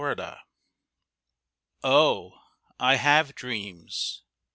I DREAM Oh, I have dreams.